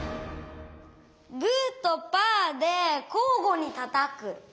グーとパーでこうごにたたく。